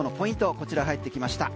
こちら入ってきました。